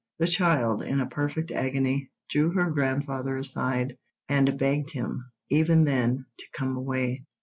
The child, in a perfect agony, drew her grandfather aside, and begged him, even then, to come away.